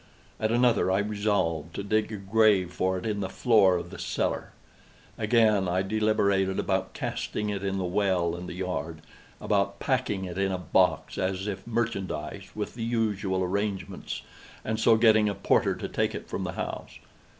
At another, I resolved to dig a grave for it in the floor of the cellar. Again, I deliberated about casting it in the well in the yard—about packing it in a box, as if merchandise, with the usual arrangements, and so getting a porter to take it from the house.